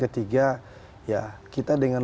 ketiga ya kita dengan